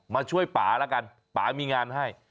มาช่วยป่าแล้วกันป่ามีงานให้